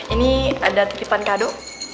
ini ada titipan kado